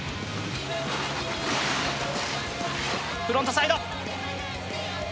フロントサイド。